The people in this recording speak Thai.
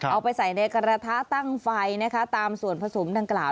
เอาไปใส่ในกระทะตั้งไฟนะคะตามส่วนผสมดังกล่าว